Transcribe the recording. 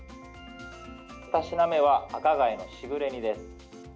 ふた品は、赤貝のしぐれ煮です。